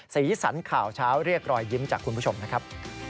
สีสันข่าวเช้าเรียกรอยยิ้มจากคุณผู้ชมนะครับ